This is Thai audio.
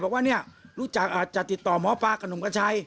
บอกว่าเนี่ยรู้จักอาจจะติดต่อหมอปลากับหนุ่มกระชัย